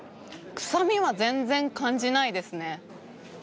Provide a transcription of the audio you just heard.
臭みは全然感じないですね。